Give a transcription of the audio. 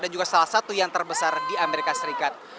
dan juga salah satu yang terbesar di amerika serikat